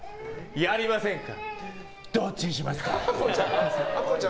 やりませんか？